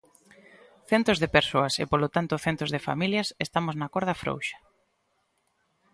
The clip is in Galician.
Centos de persoas, e polo tanto centos de familias, estamos na corda frouxa.